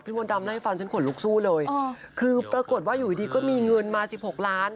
พี่มดดำได้ฟันฉันขนลุกสู้เลยคือปรากฏว่าอยู่ดีก็มีเงินมา๑๖ล้าน